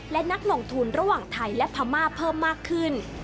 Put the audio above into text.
และนักลงทุนระหว่างไทยและพม่าเพิ่มมากขึ้น